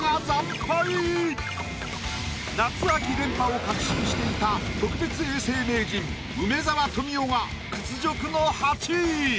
夏秋連覇を確信していた特別永世名人梅沢富美男が屈辱の８位。